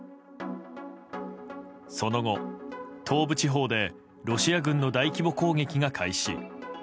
その後、東部地方でロシア軍の大規模攻撃が開始。